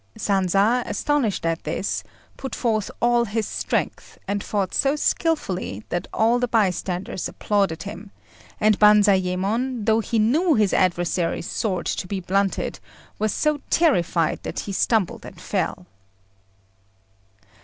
Sanza, astonished at this, put forth all his strength, and fought so skilfully, that all the bystanders applauded him, and Banzayémon, though he knew his adversary's sword to be blunted, was so terrified that he stumbled and fell.